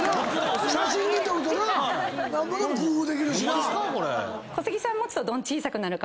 写真に撮るとななんぼでも工夫できるしな。